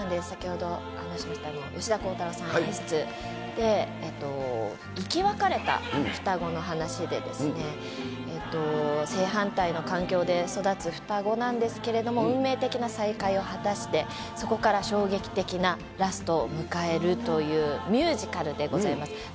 先ほど話しました、吉田鋼太郎さん演出、生き別れた双子の話で、正反対の環境で育つ双子なんですけれども、運命的な再会を果たして、そこから衝撃的なラストを迎えるというミュージカルでございます。